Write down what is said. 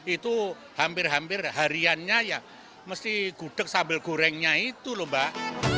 itu hampir hampir hariannya ya mesti gudeg sambil gorengnya itu loh mbak